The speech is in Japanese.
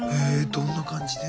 どんな感じで？